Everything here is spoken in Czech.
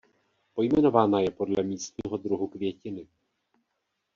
Pojmenována je podle místního druhu květiny.